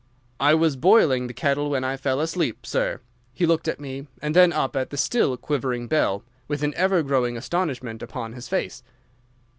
"'I was boiling the kettle when I fell asleep, sir.' He looked at me and then up at the still quivering bell with an ever growing astonishment upon his face.